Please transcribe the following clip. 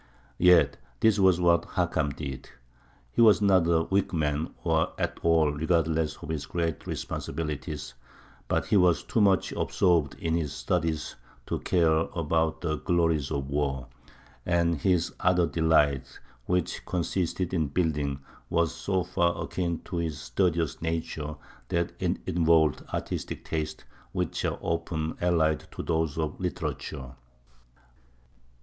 Yet this was what Hakam did. He was not a weak man, or at all regardless of his great responsibilities; but he was too much absorbed in his studies to care about the glories of war; and his other delight, which consisted in building, was so far akin to his studious nature that it involved artistic tastes, which are often allied to those of literature.